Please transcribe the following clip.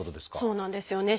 そうなんですよね。